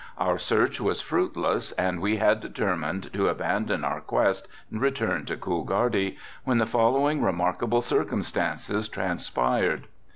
Our search was fruitless and we had determined to abandon our quest and return to Coolgardie when the following remarkable circumstances transpired.